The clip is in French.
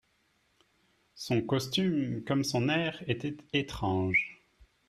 Son costume, comme son air, était étrange.